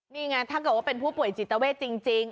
นี่ไงถ้าเกิดว่าเป็นผู้ป่วยจิตเวทจริง